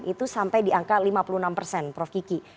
itu sampai di angka lima puluh enam persen prof kiki